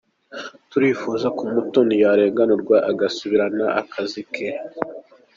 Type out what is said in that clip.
Turifuza ko Umutoni yarenganurwa agasubirana akazi ke.